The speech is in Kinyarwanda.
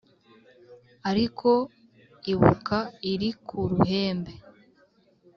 ariko ibuka iri ku ruhembe